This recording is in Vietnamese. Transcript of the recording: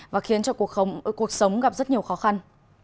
và khiến cho cuộc sống gặp rất nhiều khó khăn